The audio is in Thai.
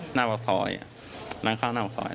หน้าปากซอยนั่งข้างหน้าปากซอย